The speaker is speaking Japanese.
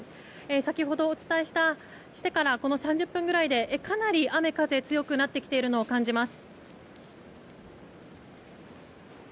先ほどお伝えしてから３０分くらいでかなり雨風が強くなってきているのを感じます。